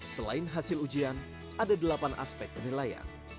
selain hasil ujian ada delapan aspek penilaian